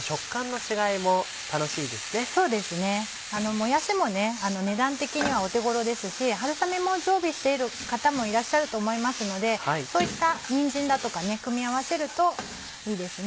もやしも値段的にはお手頃ですし春雨も常備している方もいらっしゃると思いますのでそういったにんじんだとか組み合わせるといいですね。